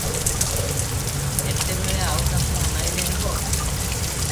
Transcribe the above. ଏତେବେଳେ ଆଉ ତାକୁ ଅନାଇଲେ ହେବ?